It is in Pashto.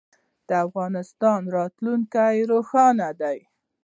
د افغانستان راتلونکی روښانه دی